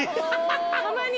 たまに。